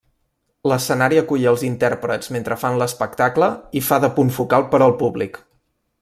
L'escenari acull els intèrprets mentre fan l'espectacle i fa de punt focal per al públic.